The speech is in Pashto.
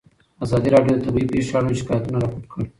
ازادي راډیو د طبیعي پېښې اړوند شکایتونه راپور کړي.